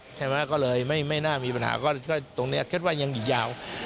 ใช่ไหมก็เลยไม่น่ามีปัญหาก็ตรงนี้คิดว่ายังอยู่ยาว